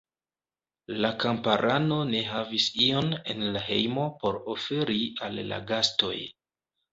La kamparano ne havis ion en la hejmo por oferi al la gastoj.